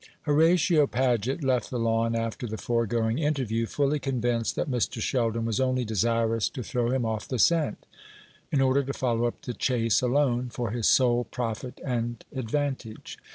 Horatio Paget left the Lawn after the foregoing interview, fully convinced that Mr. Sheldon was only desirous to throw him off the scent, in order to follow up the chase alone, for his sole profit and advantage.